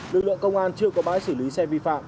lực lượng công an chưa có bãi xử lý xe vi phạm